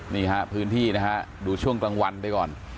นี่ฮะพื้นที่นะฮะดูช่วงกลางวันไปก่อน